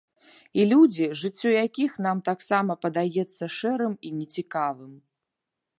І людзі, жыццё якіх нам таксама падаецца шэрым і нецікавым.